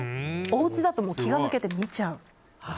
おうちだと気が抜けて見ちゃう。